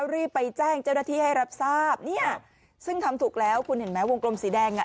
รีบไปแจ้งเจ้าหน้าที่ให้รับทราบเนี่ยซึ่งทำถูกแล้วคุณเห็นไหมวงกลมสีแดงอ่ะ